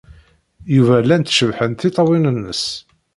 Yuba llant cebḥent tiṭṭawin-nnes.